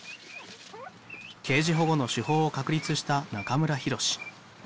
ケージ保護の手法を確立した中村浩志。